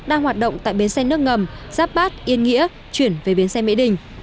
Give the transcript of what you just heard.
đang hoạt động tại bến xe nước ngầm giáp bát yên nghĩa chuyển về biến xe mỹ đình